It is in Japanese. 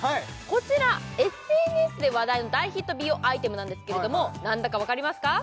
こちらＳＮＳで話題の大ヒット美容アイテムなんですけれども何だかわかりますか？